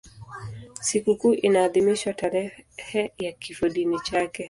Sikukuu inaadhimishwa tarehe ya kifodini chake.